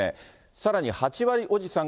さらに８割おじさん